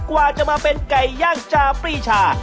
กว่าจะมาเป็นไก่ย่างจาปรีชา